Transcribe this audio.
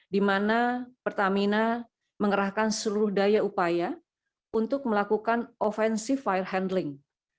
di mana pertamina mengerahkan seluruh daya upaya untuk melakukan ofensif fire handling